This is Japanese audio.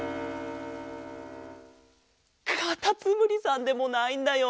かたつむりさんでもないんだよ。